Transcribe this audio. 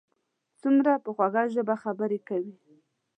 څومره په خوږه ژبه خبرې کوي.